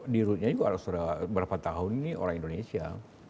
di rootnya juga sudah berapa tahun ini orang indonesia